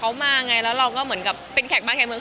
เขามาไงแล้วเราก็เหมือนกับเป็นแขกบ้านใครเมือง